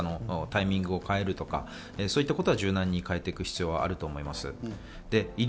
検査のタイミングを変えるとかそういうことは柔軟に変えていく必要があると思います。